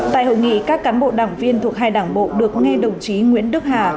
tại hội nghị các cán bộ đảng viên thuộc hai đảng bộ được nghe đồng chí nguyễn đức hà